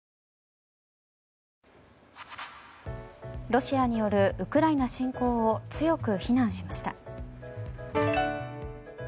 ロシアによるウクライナ侵攻を強く非難しました。